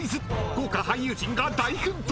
［豪華俳優陣が大奮闘！］